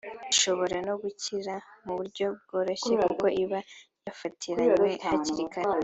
ishobora no gukira mu buryo bworoshye kuko iba yafatiranywe hakiri kare